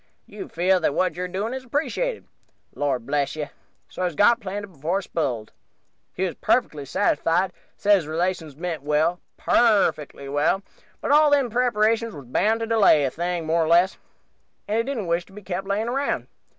You feel that what you're doing is appreciated. Lord bless you, so's he got planted before he sp'iled, he was perfectly satisfied; said his relations meant well, perfectly well, but all them preparations was bound to delay the thing more or less, and he didn't wish to be kept layin' around.